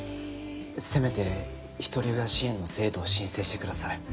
せめてひとり親支援の制度を申請してください。